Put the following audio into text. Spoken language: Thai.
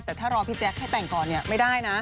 แต่ถ้ารอพี่แจ๊คให้แต่งก่อนเนี่ยไม่ได้นะ